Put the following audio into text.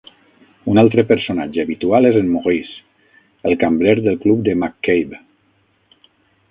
Un altre personatge habitual és en Maurice, el cambrer del club de McCabe.